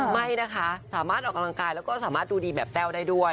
ไม่นะคะสามารถออกกำลังกายแล้วก็สามารถดูดีแบบแต้วได้ด้วย